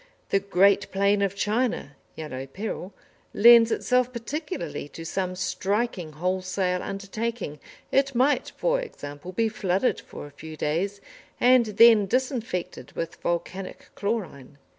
The great plain of China ("Yellow Peril") lends itself particularly to some striking wholesale undertaking; it might, for example, be flooded for a few days, and then disinfected with volcanic chlorine.